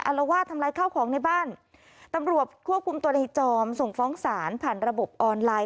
ละวาดทำลายข้าวของในบ้านตำรวจควบคุมตัวในจอมส่งฟ้องศาลผ่านระบบออนไลน์